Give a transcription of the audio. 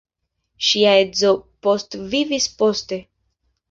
Ŝia edzo postvivis poste.